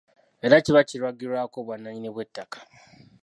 Era kiba kiragirwako obwannannyini bw’ettaka.